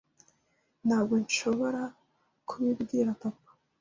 Ntabwo nshobora kubibwira papa